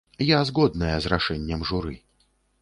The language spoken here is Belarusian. Я згодная з рашэннем журы.